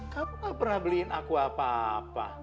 kamu gak pernah beliin aku apa apa